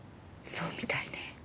そうみたいね。